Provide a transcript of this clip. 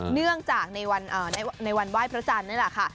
เนื่องจากในวันไหว้พระจันทร์นี่แหละค่ะ